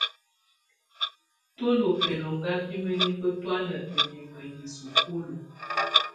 Tú ndɔ́ bɛlɔŋga bɛ mǝnifǝ tɔ̀ána ǝlimǝ yɛ sukulu.